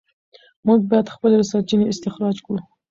موږ باید خپلې سرچینې استخراج کړو.